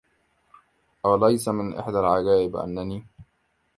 أوليس من إحدى العجائب أنني